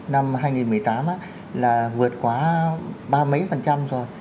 năm hai nghìn một mươi tám á là vượt quá ba mấy phần trăm rồi